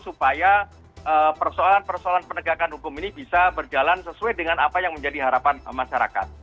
supaya persoalan persoalan penegakan hukum ini bisa berjalan sesuai dengan apa yang menjadi harapan masyarakat